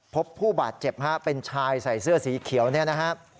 พบผู้บาดเจ็บฮะเป็นชายใส่เสื้อสีเขียวเนี่ยนะฮะ